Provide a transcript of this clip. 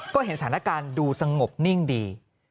ก็เห็นสถานการณ์ดูสงบนิ่งดี